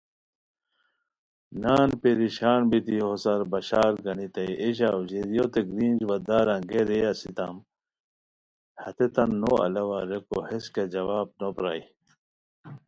نان پریشان بیتی ہوسار بشارگنیتائے ایے ژاؤ ژیریوتین گرینج وا دار انگئے رے اسیتام، ہتیتان نو الاوا، ریکو ہیس کیہ جواب نو پرائے